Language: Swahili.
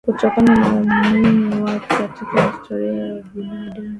Kutokana na umuhimu wake katika historia ya binadamu